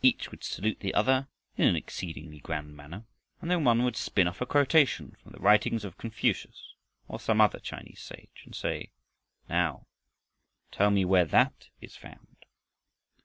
Each would salute the other in an exceedingly grand manner, and then one would spin off a quotation from the writings of Confucius or some other Chinese sage and say, "Now tell me where that is found."